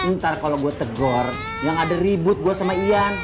ntar kalo gua tegor yang ada ribut gua sama ian